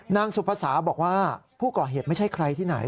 นางสุภาษาบอกว่าผู้ก่อเหตุไม่ใช่ใครที่ไหน